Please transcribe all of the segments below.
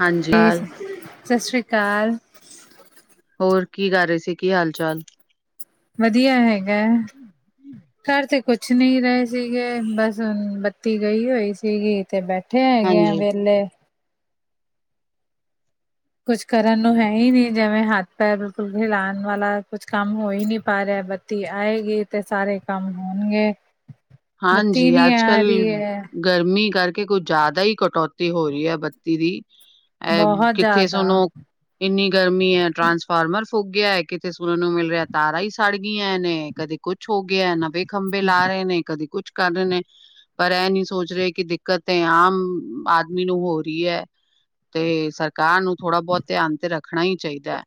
ਹਾਂਜੀ ਹਾਲ ਸਤਿ ਸ੍ਰੀ ਅਕਾਲ। ਹੋਰ ਕੀ ਕਰ ਰਹੇ ਸੀ, ਕੀ ਹਾਲ ਚਾਲ? ਵਧੀਆ ਹੈਗਾ। ਕਰ ਤੇ ਕੁਛ ਨਹੀਂ ਰਹੇ ਸੀਗੇ। ਬਸ ਹੁਣ ਬੱਤੀ ਗਈ ਹੋਈ ਸੀਗੀ, ਤੇ ਬੈਠੇ ਹੈਗੇ ਆ, ਹਾਂਜੀ ਵੇਹਲੇ। ਕੁਛ ਕਰਨ ਨੂੰ ਹੈ ਹੀ ਨਹੀਂ, ਜਿਵੇਂ ਹੱਥ ਪੈਰ ਬਿਲਕੁਲ ਹਿਲਾਉਣ ਵਾਲਾ, ਕੁਛ ਕੰਮ ਹੋ ਹੀ ਨਹੀਂ ਪਾ ਰਿਹਾ। ਬਤੀ ਬੱਤੀ ਆਏਗੀ ਤੇ ਸਾਰੇ ਕੰਮ ਹੋਣਗੇ, ਬੱਤੀ ਹਾਂਜੀ ਨੀ ਅੱਜ ਕੱਲ ਆ ਰਹੀ ਹੈ। ਗਰਮੀ ਕਰਕੇ, ਕੁਝ ਜ਼ਿਆਦਾ ਹੀ ਕਟੌਤੀ ਹੋ ਰਹੀ ਹੈ ਬੱਤੀ ਦੀ। ਐ ਬਹੁਤ ਕਿੱਥੇ ਜ਼ਿਆਦਾ ਸੁਣੋ ਇੰਨੀ ਗਰਮੀ ਹੈ, ਟਰਾਂਸਫਾਰਮਰ ਫੂਗਿਆ ਹੈ। ਕਿਥੇ ਸੁਣਨ ਨੂੰ ਮਿਲ ਰਿਹਾ, ਤਾਰਾਂ ਹੀ ਸੜ ਗਈਆਂ ਨੇ। ਕਦੇ ਕੁੱਛ ਹੋ ਗਿਆ ਨਵੇਂ ਖੰਭੇ ਲਾ ਰਹੇ ਨੇ ਕਦੇ ਕੁੱਛ ਕਰ ਰਹੇ ਨੇ। ਪਰ ਇਹ ਨਹੀਂ ਸੋਚ ਰਹੇ ਕਿ ਦਿੱਕਤੇ ਆਮ ਆਦਮੀ ਨੂੰ ਹੋ ਰਹੀ ਹੈ। ਤੇ ਸਰਕਾਰ ਨੂੰ ਥੋੜਾ ਬੋਤ ਧਿਆਨ ਤੇ ਰੱਖਣਾ ਹੀ ਚਾਹੀਦਾ ਹੈ।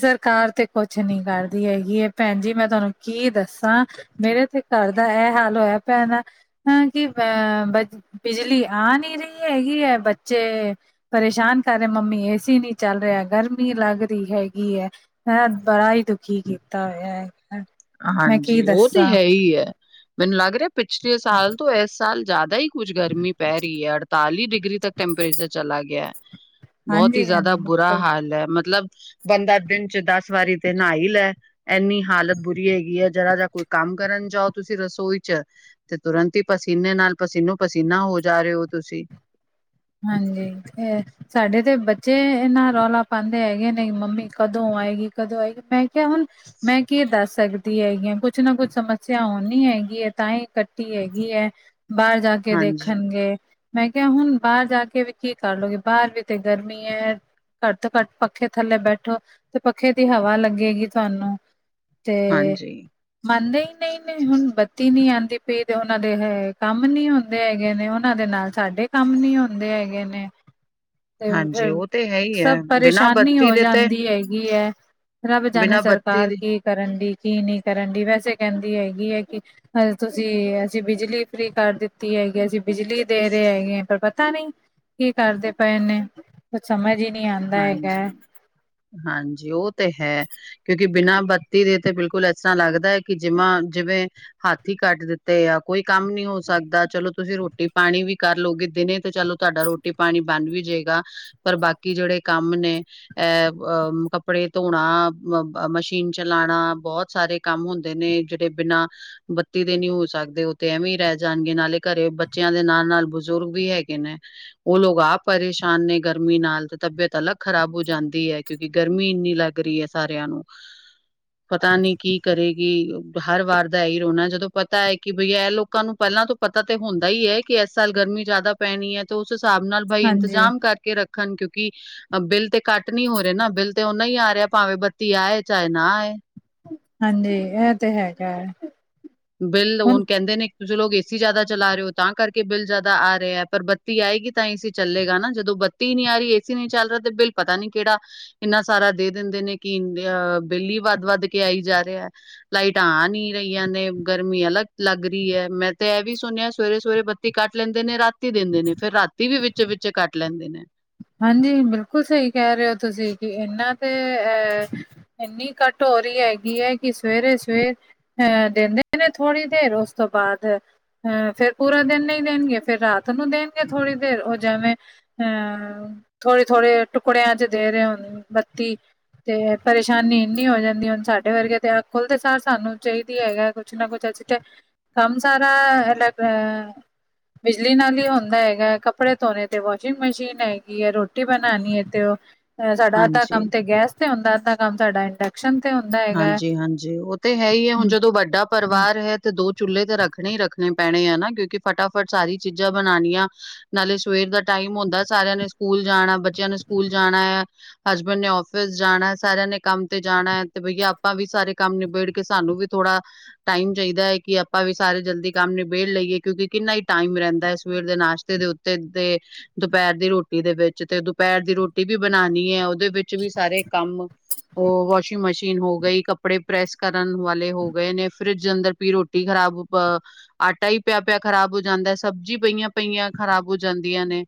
ਸਰਕਾਰ ਤੇ ਕੁਛ ਨੀ ਕਰਦੀ ਹੈਗੀ ਹੈ ਭੈਣ ਜੀ ਮੈਂ ਤੁਹਾਨੂੰ ਕੀ ਦੱਸਾਂ। ਮੇਰੇ ਥੇ ਘਰ ਦਾ ਇਹ ਹਾਲ ਹੋਇਆ ਭੈਣ ਹਾਂ ਕਿ ਅਹ। ਬਿਜਲੀ ਆ ਨਹੀਂ ਰਹੀ ਹੈਗੀ ਹੈ। ਬੱਚੇ। ਪਰੇਸ਼ਾਨ ਕਰ ਰਹੇ ਮੰਮੀ ਏਸੀ ਨਹੀਂ ਚੱਲ ਰਿਹਾ ਗਰਮੀ ਲੱਗ। ਹੈਗੀ ਹੈ ਮੈਂ ਬੜਾ ਹੀ ਦੁਖੀ ਕੀਤਾ ਹੋਇਆ। ਮੈਂ ਕੀ ਹਾਂਜੀ ਉਹ ਤੇ ਦੱਸਾਂ ਹੈ। ਹੀ ਹੈ। ਮੈਨੂੰ ਲੱਗ ਰਿਹਾ ਪਿਛਲੇ ਸਾਲ ਤੋਂ ਇਸ ਸਾਲ ਜ਼ਿਆਦਾ ਹੀ। ਕੁਛ ਗਰਮੀ ਪੈ ਰਹੀ ਹੈ। ਅੜਤਾਲੀ ਡਿਗਰੀ ਤੱਕ ਟੈੈਂਪਰੇਚਰ ਚਲਾ ਗਿਆ। ਬਹੁਤ ਹੀ ਹਾਂਜੀ ਹਾਂਜੀ ਜ਼ਿਆਦਾ ਬੁਰਾ ਬਿਲਕੁਲ ਹਾਲ ਹੈ। ਮਤਲਬ। ਬੰਦਾ ਦਿਨ ਚ ਦਸ ਵਾਰੀ ਤੇ ਨਹਾ ਹੀ ਲੈ ਇੰਨੀ ਹਾਲਤ ਬੁਰੀ। ਹੈਗੀ ਹੈ। ਜਿਰਾਾ ਜਾਂ ਕੁ। ਕੰਮ ਕਰਨ ਜਾਓ ਤੁਸੀਂ ਰਸੋਈ ਚ। ਤੇ ਤੁਰੰਤ ਹੀ ਪਸੀਨੇ ਨਾਲ ਪਸੀਨੋ ਪਸੀਨਾ ਹੋ ਜਾ ਰਹੇ ਹੋ ਤੁਸੀਂ। ਹਾਂਜੀ ਫਰ। ਸਾਡੇ ਤੇ ਬੱਚੇ ਇੰਨਾ ਰੌਲਾ ਪਾਉਂਦੇ ਹੈਗੇ ਨੇ ਮੰਮੀ ਕਦੋਂ ਆਏਗੀ ਕਦੋਂ ਆਏਗੀ ਮੈਂ। ਹੁਣ ਮੈਂ ਕੀ ਦੱਸ ਸਕਦੀ। ਹੈਗੀਆਂ ਕੁਛ ਨਾ ਕੁੱਛ ਸਮੱਸਿਆ ਹੋਣੀ ਹੈਗੀ ਹੈ। ਤਾਂ ਹੀ ਕੱਟੀ ਹੈਗੀ ਹੈ। ਬਾਹਰ। ਜਾ ਕੇ ਹਾਂਜੀ। ਦੇਖਣਗੇ ਮੈਂ ਕਿਹਾ ਹੁਣ। ਬਾਹਰ ਜਾ ਕੇ ਵੀ ਕੀ ਕਰਲੋਗੇ ਬਾਹਰ ਵੀ ਤੇ ਗਰਮੀ ਹੈ। ਘੱਟ ਤੋਂ ਘੱਟ ਪੱਖੇ ਥੱਲੇ ਬੈਠੋ ਤੇ ਪੱਖੇ ਦੀ ਹਵਾ ਲੱਗੇਗੀ ਤੁਹਾਨੂੰ। ਤੇ। ਹਾਂਜੀ, ਮੰਨਦੇ ਹੀ ਨਹੀਂ ਨੇ ਹੁਣ ਬੱਤੀ ਨਹੀਂ ਆਉਂਦੀ ਪਈ ਉਹਨਾਂ ਦੇ ਹੈ ਕੰਮ ਨਹੀਂ ਹੁੰਦੇ ਹੈਗੇ ਨੇ ਉਹਨਾਂ ਦੇ ਨਾਲ। ਸਾਡੇ ਕੰਮ ਨੀ ਹੁੰਦੇ ਹੈਗੇ ਨੇ। ਤੇ ਹਾਂਜੀ ਫਿਰ ਉਹ ਤੇ ਹੈ ਹੀ ਹੈ, ਸਭ ਬਿਨਾਂ ਪਰੇਸ਼ਾਨੀ ਬੱਤੀ ਹੋ ਦੇ ਤੇ ਜਾਂਦੀ ਹੈਗੀ ਹੈ। ਰੱਬ ਜਾਣੇ ਬਿਨਾਂ ਬੱਤੀ ਸਰਕਾਰ ਦੇ ਕੀ ਕਰਨ ਡੀ ਕੀ ਨਹੀਂ ਕਰਨ ਡੀ ਵੈਸੇ ਕਹਿੰਦੀ ਹੈਗੀ ਹੈ ਕਿ। ਹ ਤੁਸੀਂ ਅਸੀਂ ਬਿਜਲੀ ਫ੍ਰਰੀ ਕਰ ਦਿੱਤੀ ਹੈਗੀ ਅਸੀਂ ਬਿਜਲੀ ਦੇ ਰਹੇ ਹੈਗੇ। ਪਰ ਪਤਾ ਨਹੀਂ ਕੀ ਕਰਦੇ ਪਏ ਨੇ ਕੁ ਸਮਝ ਹੀ ਨਹੀਂ ਆਉਂਦਾ ਹੈਗਾ ਹੈ। ਹਾਂਜੀ। ਹਾਂਜੀ ਉਹ ਤੇ ਹੈ। ਕਿਉਂਕਿ ਬਿਨਾਂ ਬੱਤੀ ਦੇ ਤੇ ਬਿਲਕੁਲ ਇਸ ਤਰ੍ਹਾਂ ਲੱਗਦਾ ਹੈ। ਕਿ ਜਮਾ ਜਿਵੇਂ। ਹੱਥ ਹੀ ਕੱਟ ਦਿੱਤੇ ਆ ਕੋਈ ਕੰਮ ਨੀ ਹੋ ਸਕਦਾ ਚਲੋ ਤੁਸੀਂ ਰੋਟੀ ਪਾਣੀ ਵੀ ਕਰ ਲਓਗੇ ਦਿਨੇ ਤੇ ਚਲੋ ਤੁਹਾਡਾ ਰੋ। ਰੋਟੀ ਪਾਣੀ ਬਣ ਵੀ ਜਾਏਗਾ ਪਰ ਬਾਕੀ ਜਿਹੜੇ ਕੰਮ ਨੇ। ਐਹ ਅ ਕੱਪੜੇ ਧੋਣਾ ਮਸ਼ੀਨ ਚਲਾਣਾ ਬੋਤ ਸਾਰੇ। ਕੰਮ ਹੁੰਦੇ ਨੇ ਜਿਹੜੇ ਬਿਨਾਂ। ਬੱਤੀ ਦੇ ਨੀ ਹੋ ਸਕਦੇ ਉਹ ਤੇ ਐਵੇਂ ਈ ਰਹਿ ਜਾਣਗੇ ਨਾਲੇ ਘਰੇ ਬੱਚਿਆਂ ਦੇ ਨਾਲ ਨਾਲ ਬਜ਼ੁਰਗ ਵੀ ਹੈਗੇ ਨੇ। ਉਹ ਲੋਕ ਆਪ ਪਰੇਸ਼ਾਨ ਨੇ ਗਰਮੀ ਨਾਲ। ਤਬੀਅਤ ਅਲੱਗ ਖ਼ਰਾਬ ਹੋ ਜਾਂਦੀ ਹੈ। ਕਿਉਂਕਿ ਗਰਮੀ ਇੰਨੀ ਲੱਗ ਰਹੀ ਹੈ। ਸਾਰਿਆਂ ਨੂੰ। [inaudible] ਪਤਾ ਨੀ ਕੀ ਕਰੇਗੀ ਹਰ ਵਾਰ ਦਾ ਐਹੀ ਰੋਣਾ ਜਦੋਂ ਪਤਾ ਹੈ ਕਿ ਬਈ ਇਹ ਲੋਕਾਂ ਨੂੰ ਪੈਲਾਂ ਤੋਂ। ਪਤਾ ਤੇ ਹੁੰਦਾ ਹੀ ਹੈ ਕਿ ਇਸ ਸਾਲ ਗਰਮੀ ਜ਼ਿਆਦਾ ਪੈਣੀ ਹੈ। ਤੇ ਉਸ ਹਿਸਾਬ ਨਾਲ ਬਾਈ ਹਾਂਜੀ ਇੰਤਜਾਮ ਕਰਕੇ ਰੱਖਣ ਕਿਉਂਕਿ। ਬਿੱਲ ਤੇ ਕੱਟ ਨੀ ਹੋ ਰਹੇ ਨਾ ਬਿੱਲ ਤੇ ਉਨਾ ਹੀ ਆ ਰਿਹਾ ਭਾਵੇਂ ਬੱਤੀ ਆਏ ਚਾਹੇ ਨਾ ਆਏ। ਹਾਂਜੀ ਇਹ ਤੇ ਹੈਗਾ ਹੈ। ਬਿਲ ਹੁਣ ਹੁਨ ਕਹਿੰਦੇ ਨੇ। ਤੁਸੀਂ ਲੋਕ ਏਸੀ ਜ਼ਿਆਦਾ ਚਲਾ ਰਹੇ ਹੋ ਤਾਂ ਕਰਕੇ ਬਿੱਲ ਜ਼ਿਆਦਾ ਆ ਰਹੇ ਐ ਪਰ ਬੱਤੀ ਆਏਗੀ ਤਾਂ ਏ ਸੀ ਚੱਲੇਗਾ ਨਾ ਜਦੋਂ ਬੱਤੀ ਟੀ ਨਹੀਂ ਆ ਰਹੀ ਏ ਸੀ ਨਹੀਂ ਚੱਲ ਰਿਹਾ ਤੇ ਬਿਲਲ ਪਤਾ ਨੀ ਕਿਹੜਾ ਇੰਨਾ ਸਾਰਾ ਦੇ ਦਿੰਦੇ ਨੇ ਕਿ ਅਹ ਬਿੱਲੀ ਵੱਧ ਵੱਧ ਕੇ ਆਈ ਜਾ ਰਿਹਾ। ਲਾਈਟਾਂ ਆ ਨੀ ਰਹੀਆਂ ਆਨੇ ਗਰਮੀ ਅਲੱਗ ਲੱਗ ਰਹੀ ਹੈ ਮੈਂ ਤਾਂ ਇਹ ਵੀ ਸੁਣਿਆ ਸਵੇਰੇ ਸਵੇਰੇ ਬੱਤੀ ਕੱਟ ਲੈਂਦੇ ਨੇ ਰਾਤੀ ਤੀ ਦਿੰਦੇ ਨੇ ਫੇਿਰ ਰਾਤੀ ਵੀ ਵਿੱਚ ਵਿੱਚ ਕੱਟ ਲੈਂਦੇ ਨੇ। ਹਾਂਜੀ, ਬਿਲਕੁਲ ਸਹੀ ਕਹਿ ਰਹੇ ਹੋ ਤੁਸੀਂ ਕਿ ਇਹਨਾਂ ਦੇ ਅਹ ਇੰਨੀ ਕਟ ਹੋ ਰਹੀ ਹੈਗੀ ਹੈ ਕਿ ਸਵੇਰੇ- ਸਵੇਰ ਹ ਦਿੰਦੇ ਨੇ ਥੋੜ੍ਹੀ ਦੇਰ ਉਸ ਤੋਂ ਬਾਅਦ ਅਹ ਫੇਰ ਪੂਰਾ ਦਿਨ ਨਹੀਂ ਦੇਣਗੇ ਫੇਿਰ ਰਾਤ ਨੂੰ ਦੇਣਗੇ ਥੋੜ੍ਹੀ ਦੇਰ ਉਹ ਜਿਵੇਂ ਅਹ ਥੋੜੇ-ਥੋੜੇ ਟੁਕੜਿਆਂ ਚ ਦੇ ਰਹੇ ਹੋਦੇ ਬੱਤੀ ਤੇ ਪਰੇਸ਼ਾਨੀ ਇੰਨੀ ਹੋ ਜਾਂਦੀ ਹੁਣ ਸਾਡੇ ਵਰਗੇ ਤੇ ਆਹ ਖੁੱਲਦੇ ਸਾਰ ਸਾਨੂੰ ਚਾਹੀਦੀ ਹੈਗਾ ਐ। ਕੁਝ ਨਾ ਕੁਝ ਕੁ ਸੀ ਤੇ ਕੰਮ ਸਾਰਾਲਾ ਅ ਅ ਬਿਜਲੀ ਨਾਲ ਹੀ ਹੁੰਦਾ ਹੈਗਾ ਹੈ ਕੱਪੜੇ ਧੋਣੇ ਤੇ ਵਾਸ਼ਿੰਗ ਮਸ਼ੀਨ ਹੈ ਹੈ ਰੋਟੀ ਬਣਾਣੀ ਹੈ ਤੇ ਉਹ ਸਾਡਾ ਅੱਧਾ ਹਾਂਜੀ। ਕੰਮ ਤੇ ਗੈਸ ਤੇ ਹੁੰਦਾ ਅੱਧਾ ਕੰਮ ਸਾਡਾ ਇੰਡਕ ਕਸ਼ਨ ਤੇ ਹੁੰਦਾ ਐ। ਹਾਂਜੀ -ਹਾਂਜੀ ਉਹ ਤੇ ਹੈ ਹੀ ਹੈ ਹੁਣ ਜਦੋਂ ਵੱਡਾ ਹੂੰ। ਪਰਿਵਾਰ ਹੈ ਤੇ ਦੋ ਚੁੱਲੇ ਤੇ ਰੱਖਣੇ ਹੀ ਰੱਖਣੇ ਪੈਣੇ ਆ ਨਾ ਕਿਉਂਕਿ ਫਟਾਫਟ ਸਾਰੀ ਚੀਜ਼ਾਂ ਬੰਨ੍ਹਿਆ ਨਾਲੇ ਸਵੇਰ ਦਾ ਟਾਈਮ ਹੁੰਦਾ ਸਾਰਿਆਂ ਨੇ ਸਕੂਲ ਜਾਣਾ ਬੱਚਿਆਂ ਨੇ ਸਕੂਲ ਜਾਣਾ ਆ। ਹਸਬੈਂਡ ਨੇ ਆਫਿਸ ਜਾਣਾ ਐ ਸਾਰਿਆਂ ਨੇ ਕੰਮ ਤੇ ਜਾਣਾ ਐ। ਤੇ ਬਈਆ ਆਪਾਂ ਵੀ ਸਾਰੇ ਕੰਮ ਨਿਬੇੜ ਕੇ ਸਾਨੂੰ ਵੀ ਥੋੜਾ ਟਾਈਮ ਚਾਹੀਦਾ ਹੈ ਕਿ ਆਪਾਂ ਵੀ ਸਾਰੇ ਜਲਦੀ ਕੰਮ ਨਿਬੇੜ ਲਈਏ ਕਿਉਂਕਿ ਕਿੰਨਾ ਹੀ ਟਾਈਮ ਰਹਿੰਦਾ ਹੈ ਸਵੇਰ ਦੇ ਨਾਸ਼ਤੇ ਦੇ ਉ ਦੇ ਦੁਪਹਿਰ ਦੀ ਰੋਟੀ ਦੇ ਵਿੱਚ ਤੇ ਦੁਪਹਿਰ ਦੀ ਰੋਟੀ ਵੀ ਬਣਨੀ ਐ ਉਹ ਦੇ ਵਿੱਚ ਵੀ ਸਾਰੇ ਕੰਮ ਉਹ ਵਾਸ਼ਿੰਗ ਮਸ਼ੀਨ ਮਸ਼ੀਨ ਹੋ ਗਈ ਕੱਪੜੇ ਪ੍ਰੈਸ ਕਰਨ ਵਾਲੇ ਹੋ ਗਏ ਨੇ ਫਰਿਜ ਅੰਦਰ ਪੀ ਰੋਟੀ ਖਰਾਬ ਬ ਆਟਾ ਹੀ ਪਿਆ ਪਿਆ ਖ਼ਰਾਬ ਹੋ ਜਾਂਦਾ ਸਬਜ਼ੀ ਪਈਆਂ ਪਈਆਂ ਖ਼ਰਾਬ ਹੋ ਜਾਂਦੀਆਂ ਨੇ।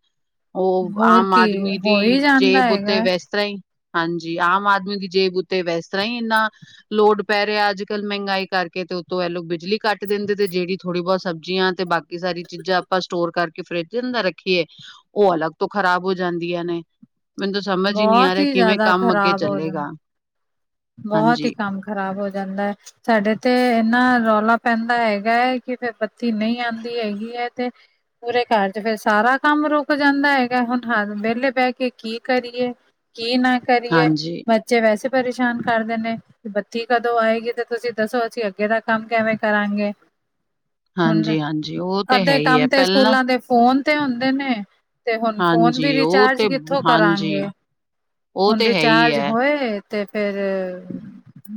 ਉਹ ਹੋਰ ਆਮ ਕੀ ਆਦਮੀ ਦੀ ਹੋ ਹੀ ਜਾਂਦਾ ਜੇਬ ਉੱਤੇ ਹੈਗਾ, ਵੈਸੇ ਜ ਤਰ੍ਹਾਂ ਹੀ ਹਾਂਜੀ ਆਮ ਆਦਮੀ ਦੀ ਜੇਬ ਉੱਤੇ ਵ ਇਸ ਤਰ੍ਹਾਂ ਹੀ ਇਨਾ ਲੋਡ ਪੈ ਰਿਹਾ ਅੱਜ- ਕੱਲ ਮਹਿੰਗਾਈ ਕਰਕੇ ਤੇ ਉਤੋਂ ਇਹ ਲੋਕ ਬਿਜਲੀ ਕੱਟ ਦਿੰਦੇ ਤੇ ਜਿਹੜੀ ਥੋੜ੍ਹੀ ਬਹੁਤ ਸਬਜ਼ੀਆਂ ਤੇ ਬਾਕੀ ਸਾਰੀ ਚੀਜ਼ਾਂ ਆਪਾਂ ਸਟੋਰ ਕਰਕੇ ਫਰਿੱਜ ਦੇ ਅੰਦਰ ਰੱਖੀਏ। ਉਹ ਅਲੱਗ ਤੋਂ ਖ਼ਰਾਬ ਹੋ ਜਾਂਦੀਆਂ ਨੇ। ਮੈਨੂੰ ਤੇ ਸਮਝ ਹੀ ਨਹੀਂ ਆ ਬਹੁਤ ਰਿਹਾ ਕਿਵੇਂ ਜ਼ਿਆਦਾ ਕੰਮ ਅੱਗੇ ਖ਼ਰਾਬ ਹੋ ਜਾਂਦਾ। ਚੱਲੇਗਾ। ਬਹੁਤ ਹੀ ਹਾਂਜੀ। ਕੰਮ ਖ਼ਰਾਬ ਹੋ ਜਾਂਦਾ ਹੈ। ਸਾਡੇ ਤੇ ਇੰਨਾ ਰੌਲਾ ਪੈਂਦਾ ਹੈਗਾ ਹੈ ਕਿ ਫਿਰ ਬੱਤੀ ਨਹੀਂ ਆਂਦੀ ਹੈਗੀ ਹੈ ਤੇ ਪੂਰੇ ਘਰ ਚ ਫਿਰ ਸਾਰਾ ਕੰਮ ਰੁਕ ਜਾਂਦਾ ਹੈਗਾ ਹੁਣ ਠਾ ਵਿਹਲੇ ਬਹਿ ਕੇ ਕੀ ਕਰੀਏ? ਕੀ ਨਾ ਕਰੀਏ ਹਾਂਜੀ, ਬੱਚੇ ਵੈਸੇ ਪਰੇਸ਼ਾਨ। ਕਰਦੇ ਨੇ ਬੱਤੀ ਕਦੋਂ ਆਏਗੀ ਤੇ ਤੁਸੀਂ ਦੱਸੋ ਅਸੀਂ ਅੱਗੇ ਦਾ ਕੰਮ ਕਿਵੇਂ ਕਰਾਂਗੇ? ਹੁਣ ਹਾਂਜੀ-ਹਾਂਜੀ ਉਹ ਤੇ ਹੈ ਅੱਧੇ ਹੀ ਹੈ ਕੰਮ ਤੇ ਪਹਿਲਾਂ ਸਕੂਲਾਂ ਦੇ ਫੋਨ ਤੇ ਹੁੰਦੇ ਨੇ। ਤੇ ਹੁਣ ਫੋਨ ਵੀ ਹਾਂਜੀ ਉਹ ਰਿਚਾਰਜ ਤੇ ਕਿੱਥੋਂ ਹਾਂਜੀ ਕਰਾਂਗੇ ਉਹ ਹੁਣ ਤੇ ਹੈ ਹੀ ਰਿਚਾਰਜ ਹੈ। ਹੋਏ ਤੇ ਫੇਰ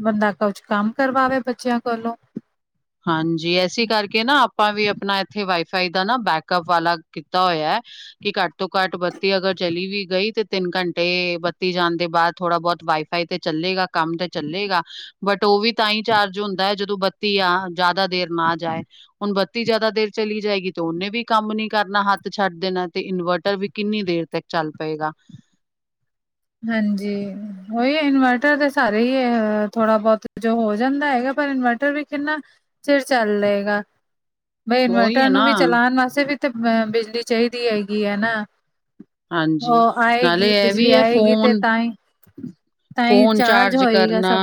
ਬੰਦਾ ਕੁਛ ਕੰਮ ਕਰਵਾਵੇ ਬੱਚਿਆਂ ਕੋਲੋਂ। ਹਾਂਜੀ, ਇਸੇ ਕਰਕੇ ਨਾ ਆਪਾਂ ਵੀ ਆਪਣਾ ਇੱਥੇ ਵਾਈਫਾਈ ਦਾ ਨਾ ਬੈਕਅਪ ਵਾਲਾ ਕੀਤਾ ਹੋਇਆ ਐ। ਕਿ ਘੱਟ ਤੋਂ ਘੱਟ ਬੱਤੀ ਅਗਰ ਚਲੀ ਵੀ ਗਈ ਤੇ ਤਿੰਨ ਘੰਟੇ ਬੱਤੀ ਜਾਣ ਦੇ ਬਾਅਦ ਥੋੜਾ ਬਹੁਤ ਵਾਈਫ ਫਾਈ ਤੇ ਚੱਲੇਗਾ ਕੰਮ ਤੇ ਚੱਲੇਗਾ ਬਟ ਉਹ ਵੀ ਤਾਂ ਹੀ ਚਾਰਜ ਹੁੰਦਾ ਹੈ ਜਦੋਂ ਬੱਤੀ ਆ ਜ਼ਿਆਦਾ ਦੇਰ ਨਾ ਜਾਏ। ਹੁਣ ਬੱਤੀ ਜ਼ਿਆਦਾ ਦੇਰ ਚਲੀ ਜਾਏਗੀ ਤੇ ਉਹਨੇ ਵੀ ਕੰਮ ਨੀ ਕਰਨਾ ਹੱਥ ਛੱਡ ਦੇਣਾ ਤੇ ਇਨਵਰਟਰ ਵੀ ਕਿੰਨੀ ਦੇਰ ਤੱਕ ਚੱਲ ਪਏਗਾ। ਹਾਂਜੀ, ਉਹੀ ਇਨਵਰਟਰ ਤਾਂ ਸਾਰੇ ਹੀ ਏ, ਹੈ ਥੋੜ੍ਹਾ ਬਹੁਤ ਜੋ ਹੋ ਜਾਂਦਾ ਹੈਗਾ, ਪਰ ਇਨਵਰ ਟਰ ਵੀ ਕਿੰਨਾ, ਚਿਰ ਚੱਲ ਲਏ ਗਾ। ਬਈ ਉਹੀ ਹੈ ਇਨਵਰਟਰ ਨਾ ਨੂੰ ਵੀ ਚਲਾਉਣ ਵਾਸਤੇ ਵੀ ਤੇ ਅ ਬਿਜਲੀ ਚਾਹੀਦੀ ਹੈਗੀ ਹੈ ਨਾ। ਹਾਂਜੀ ਉਹ ਨਾਲੇ ਆਏਗੀ, ਇਹ ਬਿਜਲੀ ਵੀ ਹੈ ਆਏਗੀ। ਫੋਨ ਤਈ, ਤਾਂਈ ਫੋਨ ਚਾਰਜ ਹੋਏਗਾ, ਕਰਨਾ ਸਭ।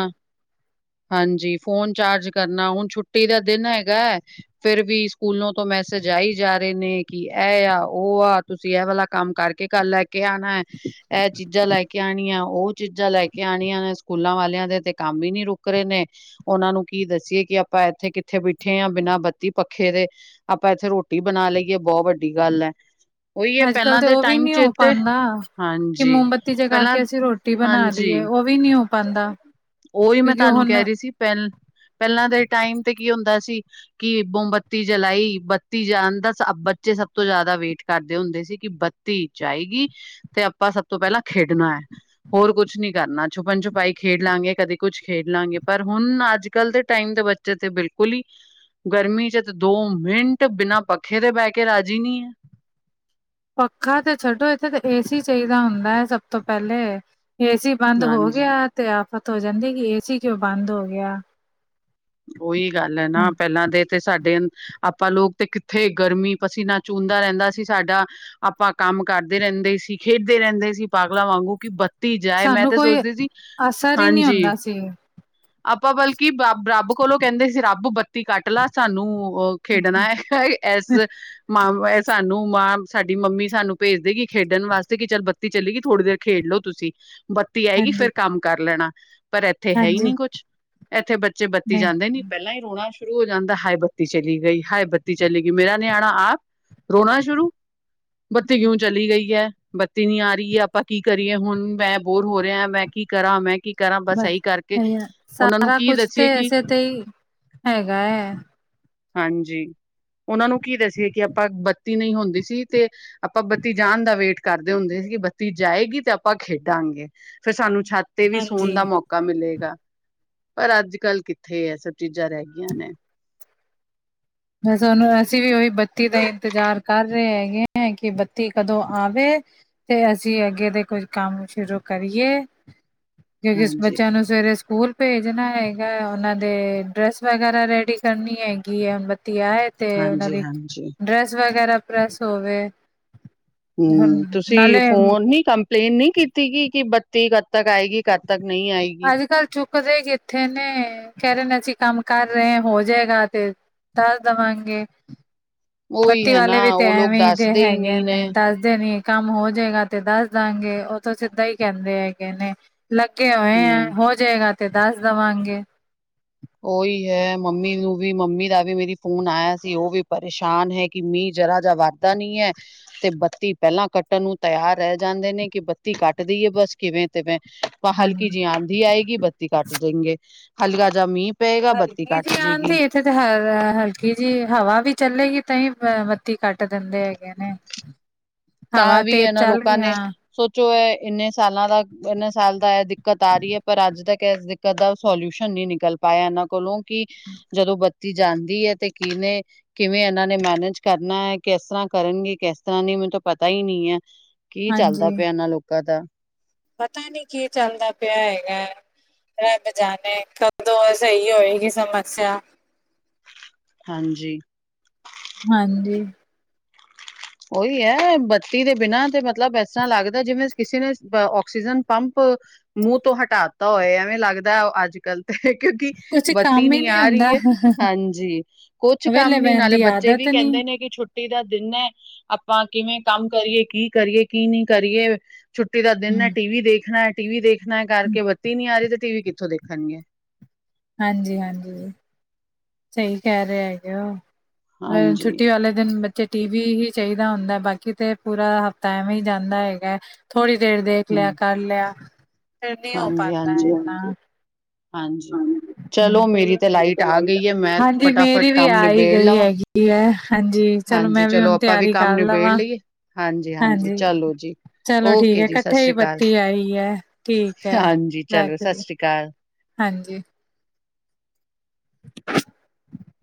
ਹਾਂਜੀ, ਫੋਨ ਚਾਰਜ ਕਰਨਾ, ਹੁਣ ਛੁੱਟੀ ਦਾ ਦਿਨ ਹੈਗਾ ਹੈ। ਫਿਰ ਵੀ ਸਕੂਲੋਂ ਤੋਂ ਮੈਸੇਜ ਆਈ ਜਾ ਰਹੇ ਨੇ, ਕਿ ਇਹ ਆ, ਉਹ ਆ। ਤੁਸੀਂ ਇਹ ਵਾਲਾ ਕੰਮ ਕਰਕੇ ਕਲ ਲੈ ਕੇ ਆਣਾ। ਇਹ ਚੀਜ਼ਾਂ ਲੈ ਕੇ। ਲੈ ਕੇ ਆਣੀਆਂ, ਉਹ ਚੀਜ਼ਾਂ ਲੈ ਕੇ ਆਣੀਆਂ ਨੇ ਸਕੂਲਾਂ ਵਾਲਿਆਂ ਦੇ ਤੇ ਕੰਮ ਹੀ ਨੀ ਰੁਕ। ਰੁਕ ਰਹੇ ਨੇ, ਉਹਨਾਂ ਨੂੰ ਕੀ ਦੱਸੀਏ ਕਿ ਆਪਾਂ ਇੱਥੇ ਕਿੱਥੇ ਬੈਠੇ ਹਾਂ, ਬਿਨਾਂ ਬੱਤੀ ਪੱਖੇ ਦੇ। ਆਪਾਂ ਇੱਥੇ ਰੋਟੀ ਬਣਾ ਲਈਏ, ਬਹੁਤ ਵੱਡੀ ਗੱਲ ਹੈ। ਉਹੀ ਹੈ ਅੱਜ ਕੱਲ ਪਹਿਲਾਂ ਤੇ ਦੇ ਉਹ ਵੀ ਟਾਈਮ ਨੀ ਚ ਹੋ ਤੇ ਪਾਉਂਦਾ। ਕਿ ਹਾਂਜੀ, ਮੋਮਬੱਤੀ ਜਗਾ ਪਹਿਲਾਂ ਕੇ ਅਸੀਂ ਰੋਟੀ ਬਣਾ ਲਈਏ, ਹਾਂਜੀ, ਉਹ ਵੀ ਨੀ ਹੋ ਪਾਉਦਾ। ਉਹੀ ਮੈਂ ਤੁਹਾਨੂੰ ਕਹਿ ਰਹੀ ਸੀ, ਪਹਿਲ, ਪਹਿਲਾਂ ਦੇ ਟਾਈਮ ਤੇ ਕੀ ਹੁੰਦਾ ਸੀ। ਕਿ ਮੋਮਬੱਤੀ ਜਲਾਈ, ਬੱਤੀ ਜਾਣ ਦਾ, ਬੱਚੇ ਸਭ ਤੋਂ ਜ਼ਿਆਦਾ ਵੇਟ ਕਰਦੇ ਹੁੰਦੇ ਸੀ ਕਿ। ਬੱਤੀ ਜਾਏਗੀ ਤੇ ਆਪਾਂ ਸਭ ਤੋਂ ਪਹਿਲਾਂ ਖੇਡਣਾ ਹੈ, ਹੋਰ ਕੁਛ ਨੀ ਕਰਨਾ, ਛੁਪਣ ਛੁੱਪਾ। ਪਾਈ ਖੇਡ ਲਾਂਗੇ, ਕਦੇ ਕੁੱਝ ਖੇਡ ਲਾਂਗੇ। ਪਰ ਹੁਣ ਅੱਜ- ਕੱਲ੍ਹ ਦੇ ਟਾਈਮ ਦੇ ਬੱਚੇ ਤੇ ਬਿਲਕੁਲ ਹੀ। ਗਰਮੀ 'ਚ ਦੋ ਮਿੰਟ, ਬਿਨਾਂ ਪੱਖੇ ਤੇ ਬਹਿ ਕੇ ਰਾਜ਼ੀ ਨਹੀਂ ਹੈ। ਪੱਖਾ ਤੇ ਛੱਡੋ ਇੱਥੇ ਤਾਂ, ਏਸੀ ਚਾਹੀਦਾ ਹੁੰਦਾ ਹੈ ਸਭ ਤੋਂ ਪਹਿਲੇ, ਏਸੀ। ਬੰਦ ਹੋ ਹਾਂਜੀ। ਗਿਆ ਤੇ ਆਫ਼ਤ ਹੋ ਜਾਂਦੀ, ਕਿ ਏਸੀ ਕਿਉਂ ਬੰਦ ਹੋ ਗਿਆ। ਉਹੀ ਗੱਲ ਹੈ ਨਾ, ਪਹਿਲਾਂ ਤੇ। ਤੇ ਸਾਡੇ, ਆਪਾਂ ਲੋਕ ਤੇ ਕਿੱਥੇ, ਗਰਮੀ ਪਸੀਨਾ ਚੂਹਨਦਾ ਰਹਿੰਦਾ ਸੀ ਸਾਡਾ। ਆਪਾਂ ਕੰਮ ਕਰਦੇ ਰਹਿੰਦੇ ਸੀ, ਖੇਡਦੇ ਰਹਿੰਦੇ ਸੀ, ਪਾਗਲਾਂ ਵਾਂਗੂੰ ਕਿ। ਬੱਤੀ ਜਾਏ ਤੇ, ਮੈਂ ਸਾਨੂੰ ਤੇ ਕੋਈ ਸੋਚਦੀ ਸੀ, ਅਸਰ ਹੀ ਨਹੀਂ ਹਾਂਜੀ। ਹੁੰਦਾ ਸੀ ਆਪਾਂ ਬਲਕਿ ਬ ਰੱਬ ਕੋਲੋਂ ਕਹਿੰਦੇ ਸੀ, ਰੱਬ ਬੱਤੀ ਕੱਟ ਲਾ, ਸਾਨੂੰ। ਖੇਡਣਾ ਹੈ, ਇਸ। ਮਾਂ ਸਾਨੂੰ ਮਾਂ, ਸਾਡੀ ਮੰਮੀ ਸਾਨੂੰ ਭੇਜ ਦੇਗੀ, ਖੇਡਣ ਵਾਸਤੇ ਕਿ ਚੱਲ। ਬੱਤੀ ਚੱਲੀ ਗਈ ਥੋੜ੍ਹੀ ਦੇਰ ਖੇਡਲੋ ਤੁਸੀ। ਬੱਤੀ ਆਏਗੀ ਹਾਂਜੀ ਫੇਰ ਕੰਮ ਕਰ ਲੈਣਾ, ਪਰ ਇੱਥੇ ਹੈ ਈ ਹਾਂਜੀ ਨੀ ਕੁੱਛ, ਇੱਥੇ ਬੱਚੇ। ਨਹੀਂ ਨਈਂ, ਨਈ, ਪਹਿਲਾਂ ਹੀ ਰੋਣਾ ਸ਼ੁਰੂ ਹੋ ਜਾਂਦਾ ਹਾਏ, ਬੱਤੀ ਚਲੀ ਗਈ, ਹਾਏ ਬੱਤੀ ਚਲੀ ਗਈ, ਮੇਰਾ ਨਿਆਣਾ ਆਪ। ਰੋਣਾ ਸ਼ੁਰੂ। ਬੱਤੀ ਕਿਉਂ ਚਲੀ ਗਈ ਹੈ, ਬੱਤੀ ਨੀ ਆ ਰਹੀ ਹੈ, ਆਪਾਂ ਕੀ ਕਰੀਏ ਹੁਣ, ਮੈਂ ਬੋਰ ਹੋ ਰਿਹਾ, ਮੈਂ। ਕੀ ਕਰਾਂ, ਮੈਂ ਕੀ। ਕਰਾਂ ਬਸ ਇਹੀ ਕਰਕੇ ਸਹੀ ਹੈ, ਉਹਨਾਂ ਨੂੰ ਸਾਰਾ ਕੀ ਕੁਛ ਦੱਸੀਏ ਤੇ ਕਿ ਐਸੇ ਤੇ ਹੀ ਹੈਗਾ ਹੈ। ਹਾਂਜੀ, ਉਹਨਾਂ ਨੂੰ ਕੀ ਦਸੀਏ ਕਿ ਆਪਾਂ, ਬੱਤੀ ਨਹੀਂ ਹੁੰਦੀ ਸੀ ਤੇ। ਆਪਾਂ ਬੱਤੀ ਜਾਣ ਦਾ ਵੇਟ ਕਰਦੇ ਹੁੰਦੇ ਸੀ ਕਿ ਬੱਤੀ ਜਾਏਗੀ ਤੇ ਆਪਾਂ ਖੇਡਾਂਗੇ, ਫੇਰ ਸਾਨੂੰ ਛੱਤ। ਤੇ ਵੀ ਸੌਣ ਹਾਂਜੀ ਦਾ ਮੌਕਾ ਮਿਲੇਗਾ ਪਰ ਅੱਜ- ਕੱਲ ਕਿੱਥੇ, ਇਹ ਸਭ ਚੀਜ਼ਾਂ ਰਹਿ ਗਈਆਂ ਨੇ। ਬਸ ਹੁਣ ਅਸੀਂ ਵੀ ਉਹੀ ਬੱਤੀ ਦਾ ਇੰਤਜ਼ਾਰ ਕਰ ਰਹੇ ਹੈਗੇ ਹੈ, ਕਿ ਬੱਤੀ ਕਦੋਂ ਆਵੇ। ਤੇ ਅਸੀਂ ਅੱਗੇ ਦੇ ਕੁੱਝ ਕੰਮ ਸ਼ੁਰੂ ਕਰੀਏ, ਕਿਉਂਕਿ ਇਸ ਹਾਂਜੀ ਬੱਚਿਆਂ ਨੂੰ। ਸਵੇਰੇ ਸਕੂਲ ਭੇਜਣਾ ਹੈਗਾ ਏ, ਉਹਨਾਂ ਦੇ ਡਰੈੱਸ ਵਗੈਰਾ ਰੈਡੀ ਕਰਨੀ ਹੈਗੀ ਹੈ। ਬੱਤੀ ਆਏ ਤੇ ਉਹਨਾਂ ਹਾਂਜੀ ਦੀ ਹਾਂਜੀ ਡਰੈਸ ਵਗੈਰਾ ਪ੍ਰੈੱਸ ਹੋਵੇ। ਹੁਣ ਹੂੰ, ਤੁਸੀਂ ਨਾਲੇ ਫ਼ੋਨ ਨੀ। ਕੰਪਲੇਂਟ ਨਹੀਂ ਕੀਤੀ ਗਈ, ਕਿ ਬੱਤੀ ਕਦ ਤੱਕ ਆਏਗੀ, ਕਦ ਤੱਕ ਨਹੀਂ ਆਏਗੀ। ਅੱਜ- ਕੱਲ ਚੁੱਕਦੇ ਕਿੱਥੇ ਨੇ, ਕਹਿ ਦਿੰਦੇ ਆਂ ਅਸੀਂ ਕੰਮ। ਕਰ ਰਹੇ, ਹੋਜੇਗਾ ਤੇ ਦੱਸ ਦੇਵਾਂਗੇ। ਉਹੀ ਬੱਤੀ ਹੈ ਵਾਲੇ ਨਾ ਵੀ ਤੇ ਉਹ ਲੋਕ ਐਵੇਂ ਈ ਦੇ ਦੱਸਦੇ ਹੀ ਹੈਗੇ ਨਹੀਂ ਨੇ ਦੱਸਦੇ ਨੀ। ਕੰਮ ਹੋ ਜਾਏਗਾ ਤੇ ਦੱਸ ਦਾਂਗੇ ਉਹ ਤੇ ਸਿੱਧਾ ਈ ਕਹਿੰਦੇ ਹੈਗੇ ਨੇ। ਲੱਗੇ ਹੋਏ ਆ ਹਮ ਹੋ ਜਾਏਗਾ ਤੇ ਦੱਸ ਦੇਵਾਂਗੇ। ਉਹੀ ਹੈ ਮੰਮੀ ਨੂੰ ਵੀ ਮੰਮੀ ਦਾ ਵੀ ਮੇਰੀ ਫ਼ੋਨ ਆਇਆ ਸੀ, ਉਹ ਵੀ ਪਰੇਸ਼ਾਨ ਐ ਕਿ ਮੀਂਹ ਜ਼ਰਾ ਜਾ‌ ਬੰਦ। ਹੁੰਦਾ ਨਹੀਂ ਐ। ਤੇ ਬੱਤੀ ਪਹਿਲਾਂ ਕੱਟਣ ਨੂੰ ਤਿਆਰ ਰਹਿ ਜਾਂਦੇ ਨੇ ਕਿ ਬੱਤੀ ਕੱਟ ਦੀਏ ਬਸ ਕਿਵੇਂ- ਤਿਵੇਂ। ਆਪਾਂ ਹਾਂਜੀ ਹਲਕੀ ਜਿਹੀ ਆਂਦੀ ਆਏਗੀ ਬੱਤੀ ਕੱਟ ਦੇਣਗੇ, ਹਲਕਾ ਜਾ ਮੀਂਹ। ਪਏਗਾ, ਬੱਤੀ ਹਲਕੀ ਕੱਟ ਜੀ ਆਂਦੀ ਜਏਗੀ। ਇੱਥੇ ਤੇ ਹ ਹਲਕੀ ਜੀ ਹਵਾ ਵੀ ਚੱਲੇਗੀ ਤਾਂ ਈ ਬੱਤੀ ਕੱਟ ਦਿੰਦੇ ਹੈਗੇ। ਨੇ। ਹਵਾ ਤਾਂ ਵੀ ਤੇਜ਼ ਇਹਨਾਂ ਚੱਲ ਲੋਕਾਂ ਗਿਆ ਨੇ। ਸੋਚੋ ਇਹ ਇੰਨੇ ਸਾਲਾਂ ਦਾ, ਇੰਨੇ ਸਾਲ ਦਾ ਇਹ ਦਿੱਕਤ ਆ ਰਹੀ ਐ ਪਰ ਅੱਜ ਤੱਕ। ਇਸ ਗੱਲ ਦਾ ਸੋਲਿਊਸ਼ਨ ਨਹੀਂ ਨਿਕਲ ਪਾਇਆ ਇਹਨਾਂ ਕੋਲੋਂ ਕਿ ਜਦੋਂ ਬੱਤੀ ਜਾਂਦੀ ਐ ਤੇ ਕਿਨੇ। ਕਿਵੇਂ ਇਹਨਾਂ ਨੇ ਮੈਨਜ ਕਰਨਾ ਐ, ਕਿਸ ਤਰ੍ਹਾਂ ਕਰਨਗੇ ਕਿਸ ਤਰ੍ਹਾਂ ਨੀ ਮਤਲਬ। ਪਤਾ ਈ ਨਹੀਂ ਐ, ਕੀ ਚੱਲਦਾ ਹਾਂਜੀ ਪਿਆ ਇਹਨਾਂ ਲੋਕਾਂ ਦਾ। ਪਤਾ ਨੀ ਕੀ ਚੱਲਦਾ ਪਿਆ ਹੈਗਾ। ਰੱਬ ਜਾਣੇ ਕਦੋਂ ਇਹ ਸਹੀ ਹੋਏਗੀ ਸਮੱਸਿਆ। ਹਾਂਜੀ। ਹਾਂਜੀ। ਓਹੀ ਐ ਬੱਤੀ ਦੇ ਬਿਨਾਂ ਤੇ ਮਤਲਬ ਇਸ ਤਰ੍ਹਾਂ ਲੱਗਦਾ ਜਿਵੇਂ ਕਿਸੇ ਨੇ ਆਕਸੀਜ਼ਨ ਪੰਪ। ਮੂੰਹ ਤੋਂ ਹਟਾਤਾ ਹੋਏ, ਐਵੇਂ ਲੱਗਦਾ ਆ ਅੱਜ- ਕੱਲ ਤੇ ਕਿਉਂਕਿ। ਕੁਛ ਬੱਤੀ ਕੰਮ ਹੀ ਨੀ ਨਹੀਂ ਆ ਹੁੰਦਾ ਰਹੀ ਐ, ਹਾਂਜੀ। ਕੁਛ ਕੰਮ ਵਿਹਲੇ ਨੀ ਬਹਿਣ ਨਾਲੇ ਦੀ ਬੱਚੇ ਵੀ ਆਦਤ ਨੀ ਕਹਿੰਦੇ ਨੇ ਕਿ ਛੁੱ। ਛੁੱਟੀ ਦਾ ਦਿਨ ਐ, ਆਪਾਂ ਕਿਵੇਂ ਕੰਮ ਕਰੀਏ, ਕੀ ਕਰੀਏ ਕੀ ਨਹੀਂ ਕਰੀਏ। ਛੁੱਟੀ ਦਾ ਦਿਨ ਐ, ਹਮ ਟੀਵੀ ਦੇਖਣਾ, ਟੀਵੀ ਦੇਖਣਾ ਕਰਕੇ ਬੱਤੀ ਨੀ ਆ ਰਹੀ ਤੇ ਟੀਵੀ ਕਿੱਥੋਂ ਦੇਖਣ ਗੇ। ਹਾਂਜੀ, ਹਾਂਜੀ। ਸਹੀ ਕਹਿ ਰਹੇ ਹੈਗੇ ਓਹ, ਵ ਹਾਂਜੀ ਛੁੱਟੀ ਵਾਲੇ ਦਿਨ। ਤੇ ਟੀਵੀ ਈ ਚਾਹੀਦਾ ਹੁੰਦਾ, ਬਾਕੀ ਤੇ ਪੂਰਾ ਹਫ਼ਤਾ ਐਵੇਂ ਈ ਜਾਂਦਾ ਹੈਗਾ ਏ। ਥੋੜੀ ਦੇਰ ਦੇਖ ਲਿਆ, ਹਮ ਕਰ ਲਿਆ, ਫਿਰ ਨਹੀਂ ਹੋ ਹਾਂਜੀ ਹਾਂਜੀ ਪਾਂਦਾ। ਹਾਂਜੀ! ਚਲੋ ਮੇਰੀ ਤਾਂ ਲਾਈਟ ਆ ਗਈ ਏ। ਮੈਂ ਹਾਂਜੀ ਫਟਾਫਟ ਮੇਰੀ ਵੀ ਕੰਮ ਆ ਹੀ ਨਿਬੇੜ ਗਈ ਲਵਾਂ। ਹੈਗੀ ਹੈ ਹਾਂਜੀ ਹਾਂਜੀ ਮੈਂ ਚਲੋ। ਹੁਣ ਆਪਾਂ ਵੀ ਤਿਆਰੀ ਕੰਮ ਨੂੰ ਕਰ ਨਿਬੇੜ ਲਵਾਂ। ਲਈਏ। ਹਾਂਜੀ, ਹਾਂਜੀ ਚਲੋ ਜੀ। ਚਲੋ ਠੀਕ ਓਕੇ ਹੈ ਜੀ ਇਕੱਠੇ ਹੀ ਸਸਿਰੀ ਕਾਲ। ਬੱਤੀ ਆਈ ਹੈ ਠੀਕ ਹੈ। ਹਾਂਜੀ, ਚਲੋ ਰੱਖਦੀ ਸਸਿਰੀ ਕਾਲ। ਹਾਂਜੀ। [unintelligible]